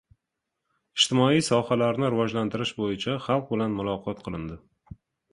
Ijtimoiy sohalarni rivojlantirish bo‘yicha xalq bilan muloqot qilindi